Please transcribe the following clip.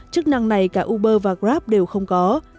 chức năng này cả uber và grab đều không có